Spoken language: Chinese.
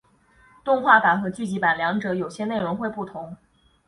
动画版和剧集版两者有些内容会不同。